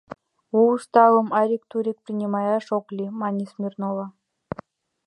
— У уставым арик-турик принимаяш ок лий, — мане Смирнова.